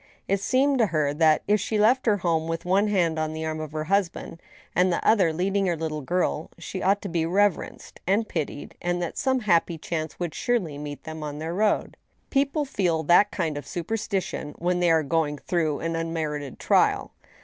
It seemed to her that, if she left her home with one hand on the arm of her husband, the other leading her little girl, she ought to be reverenced and pitied, and that some happy chance would surely meet them on their road. People feel that kind of superstition when they are going through an unmerited trial.